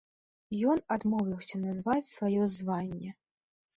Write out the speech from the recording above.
Ён адмовіўся назваць сваё званне.